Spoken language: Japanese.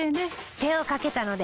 手をかけたので。